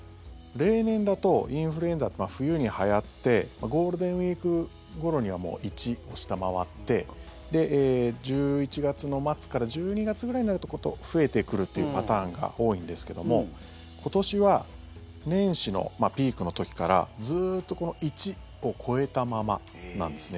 例年だとインフルエンザって冬にはやってゴールデンウィークごろにはもう１を下回って１１月の末から１２月ぐらいになると増えてくるというパターンが多いんですけども今年は年始のピークの時からずっとこの１を超えたままなんですね。